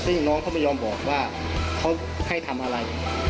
ซึ่งน้องเขาไม่ยอมบอกว่าเขาให้ทำอะไร